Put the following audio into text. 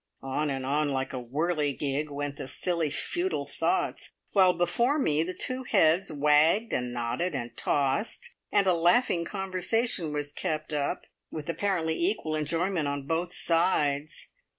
On and on like a whirligig went the silly, futile thoughts, while before me the two heads wagged, and nodded, and tossed, and a laughing conversation was kept up with apparently equal enjoyment on both sides.